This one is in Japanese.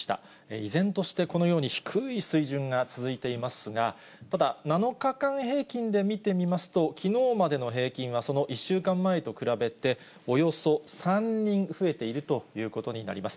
依然としてこのように低い水準が続いていますが、ただ、７日間平均で見てみますと、きのうまでの平均はその１週間前と比べて、およそ３人増えているということになります。